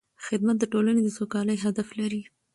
خدمت د ټولنې د سوکالۍ هدف لري.